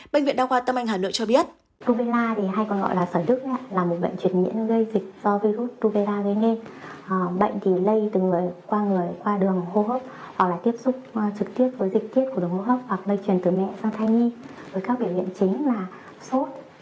bệnh viện đa khoa tâm anh hà nội cho biết